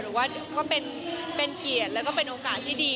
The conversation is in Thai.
หรือว่าก็เป็นเกียรติแล้วก็เป็นโอกาสที่ดี